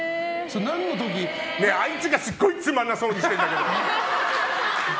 あいつがすごいつまらなそうにしてるんだけど。